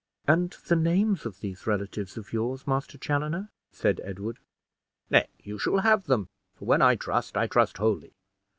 "And the names of these relatives of yours, Master Chaloner?" said Edward. "Nay, you shall have them; for when I trust, I trust wholly.